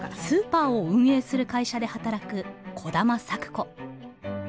スーパーを運営する会社で働く兒玉咲子。